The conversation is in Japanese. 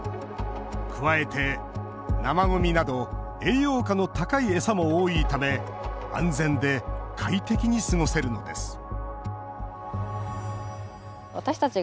加えて、生ごみなど栄養価の高い餌も多いため安全で快適に過ごせるのです